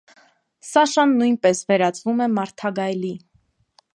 Սաշան նույնպես վերածվում է մարդագայլի։